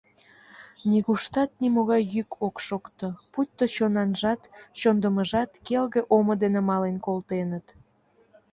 Нигуштат нимогай йӱк ок шокто, пуйто чонанжат, чондымыжат келге омо дене мален колтеныт.